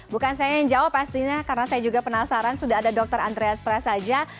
bukan saya yang jawab pastinya karena saya juga penasaran sudah ada dokter andrea spres saja